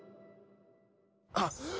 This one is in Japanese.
あっ！